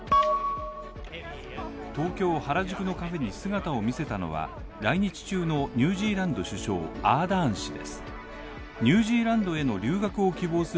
東京・原宿のカフェに姿を見せたのは、来日中のニュージーランド首相アーダーン氏です。